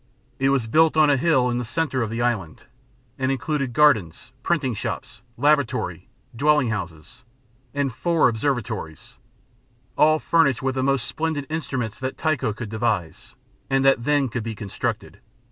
It was built on a hill in the centre of the island, and included gardens, printing shops, laboratory, dwelling houses, and four observatories all furnished with the most splendid instruments that Tycho could devise, and that could then be constructed.